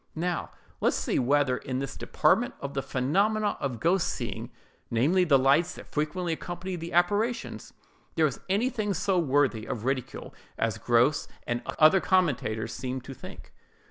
Now, let us see whether in this department of the phenomenon of ghost seeing, namely, the lights that frequently accompany the apparitions, there is anything so worthy of ridicule as Grose and other such commentators seem to think.